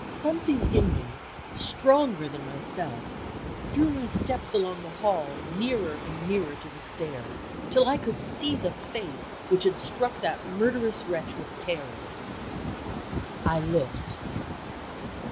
Something in me, stronger than myself, drew my steps along the hall nearer and nearer to the stair, till I could see the face which had struck that murderous wretch with terror. I looked.